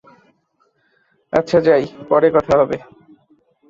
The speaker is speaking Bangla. আচ্ছা যাই, পরে কথা হবে।